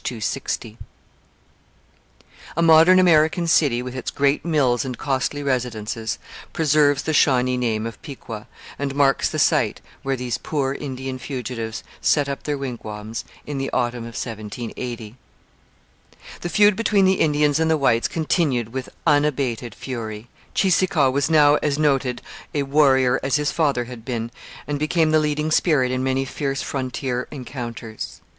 260.] A modern American city, with its great mills and costly residences, preserves the Shawnee name of Piqua, and marks the site where these poor Indian fugitives set up their wigwams in the autumn of 1780. The feud between the Indians and the whites continued with unabated fury. Cheeseekau was now as noted a warrior as his father had been, and became the leading spirit in many fierce frontier encounters.